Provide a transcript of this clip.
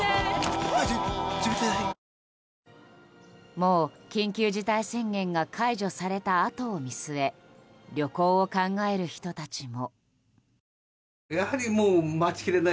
もう緊急事態宣言が解除されたあとを見据え旅行を考える人たちも。